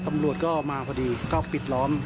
ก็เข้าไปหาเมื่อก่อนแล้วก็พิษล้อม